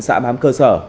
xã bám cơ sở